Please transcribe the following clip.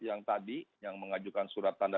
yang tadi yang mengajukan surat tanda